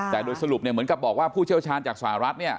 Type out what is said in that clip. แต่โดยสรุปเนี่ยเหมือนกับบอกว่าผู้เชี่ยวชาญจากสหรัฐเนี่ย